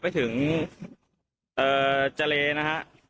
ไปถึงเจาะเลนะครับ